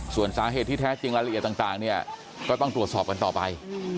ส่วนสาเหตุที่แท้จริงรายละเอียดต่างเนี่ยก็ต้องตรวจสอบกันต่อไป